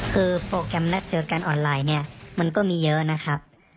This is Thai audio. คือโปรแกรมนัดเจอกันออนไลน์เนี่ยมันก็มีเยอะนะครับ